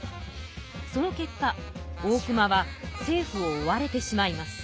その結果大隈は政府を追われてしまいます。